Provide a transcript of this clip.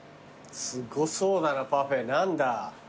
すごそうだなパフェ何だ？